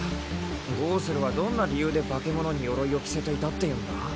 ゴウセルはどんな理由で化け物に鎧を着せていたっていうんだ？